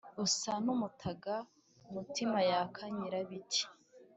usa n’umutaga mutima yaka nyirabiti,